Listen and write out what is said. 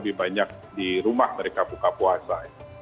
lebih banyak di rumah mereka buka puasa